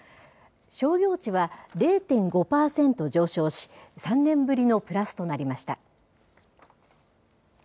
商業地は０．５％上昇し、３年ぶりのプラスとなりました。